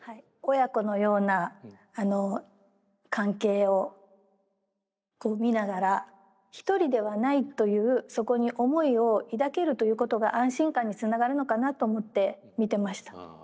親子のような関係をこう見ながら一人ではないというそこに思いを抱けるということが安心感につながるのかなと思って見てました。